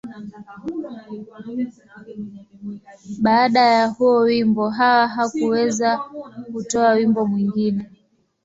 Baada ya huo wimbo, Hawa hakuweza kutoa wimbo mwingine.